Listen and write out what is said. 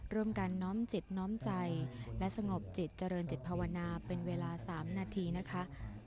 ร่วมกันน้อมจิตน้อมใจและสงบจิตเจริญจิตภาวนาเป็นเวลา๓นาทีนะคะ